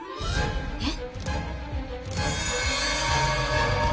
えっ！？